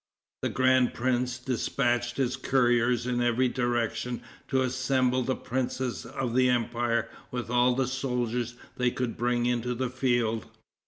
The grand prince dispatched his couriers in every direction to assemble the princes of the empire with all the soldiers they could bring into the field.